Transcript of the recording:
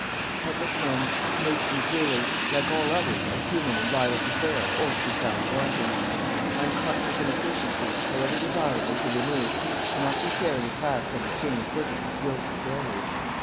Public men, nations rulers, like all others are human and liable to fail or to be found wanting. Unconscious inefficiency, however desirable to remove, cannot be fairly classed on the same footing as guilty failures.